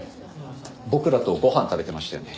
僕らとご飯食べてましたよね。